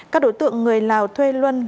các đối tượng người lào thuê luân